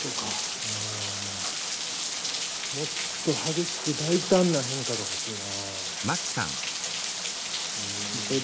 ああもっと激しく大胆な変化がほしいな。